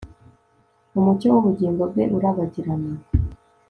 umucyo w'ubugingo bwe urabagirana